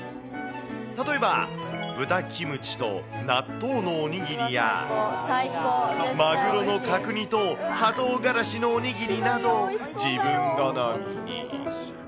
例えば、豚キムチと納豆のおにぎりや、マグロの角煮とはとうがらしのおにぎりなど、自分好みに。